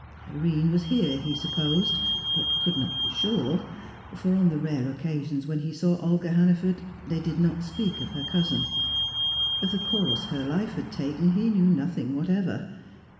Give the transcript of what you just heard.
Irene was here, he supposed, but could not be sure, for on the rare occasions when he saw Olga Hannaford they did not speak of her cousin. Of the course her life had taken, he knew nothing whatever.